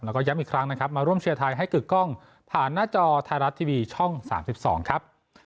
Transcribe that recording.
แล้วก็ย้ำอีกครั้งนะครับมาร่วมเชียร์ไทยให้กึกกล้องผ่านหน้าจอไทยรัฐทีวีช่อง๓๒ครับ